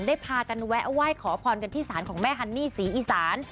พากันแวะไหว้ขอพรกันที่ศาลของแม่ฮันนี่ศรีอีสาน